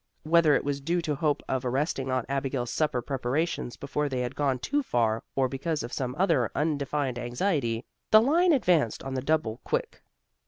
Whether it was due to the hope of arresting Aunt Abigail's supper preparations, before they had gone too far, or because of some other undefined anxiety, the line advanced on the double quick.